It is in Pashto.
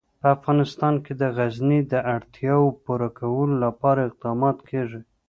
په افغانستان کې د غزني د اړتیاوو پوره کولو لپاره اقدامات کېږي.